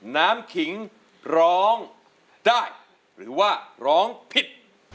น้ำขิงร้องได้หรือว่าร้องผิด